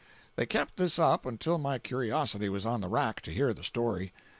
They kept this up until my curiosity was on the rack to hear the story.